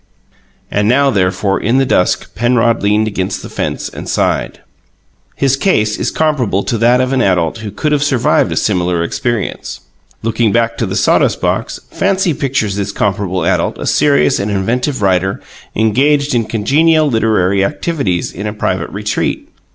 And now, therefore, in the dusk, Penrod leaned against the fence and sighed. His case is comparable to that of an adult who could have survived a similar experience. Looking back to the sawdust box, fancy pictures this comparable adult a serious and inventive writer engaged in congenial literary activities in a private retreat.